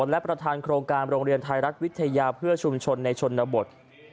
และประธานโครงการโรงเรียนไทยรัฐวิทยาเพื่อชุมชนในชนบท